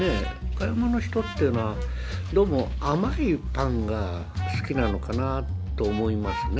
岡山の人っていうのはどうも甘いパンが好きなのかなと思いますね。